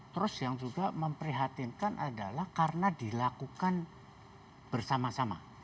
terus yang juga memprihatinkan adalah karena dilakukan bersama sama